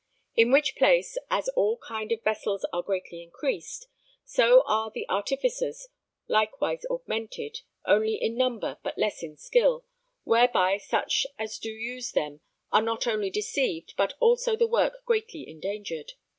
In the which place, as all kind of vessels are greatly increased, so are the artificers likewise augmented, only in number, but less in skill, whereby such as do use them are not only deceived but also the work greatly endangered.